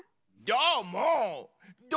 どーも！